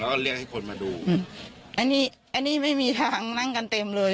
แล้วก็เรียกให้คนมาดูอืมอันนี้อันนี้ไม่มีทางนั่งกันเต็มเลย